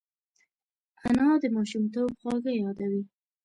انا د ماشومتوب خواږه یادوي